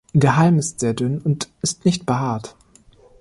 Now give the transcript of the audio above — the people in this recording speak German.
Der Halm ist sehr dünn und ist nicht behaart.